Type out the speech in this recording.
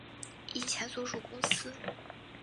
以前所属公司